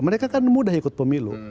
mereka kan mudah ikut pemilu